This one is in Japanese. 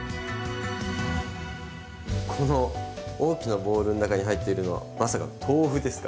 この大きなボウルの中に入っているのはまさか豆腐ですか？